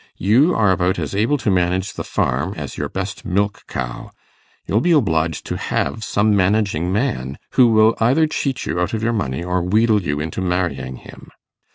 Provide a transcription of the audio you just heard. You are about as able to manage the farm as your best milch cow. You'll be obliged to have some managing man, who will either cheat you out of your money or wheedle you into marrying him.